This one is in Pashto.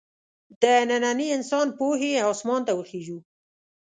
د ننني انسان پوهې اسمان ته وخېژو.